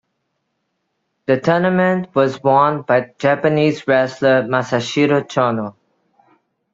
The tournament was won by Japanese wrestler Masahiro Chono.